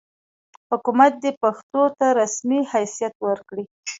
حکومت دې پښتو ته رسمي حیثیت ورکړي.